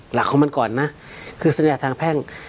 หลักของมันก่อนนะคือสัญญาทางแพ่ง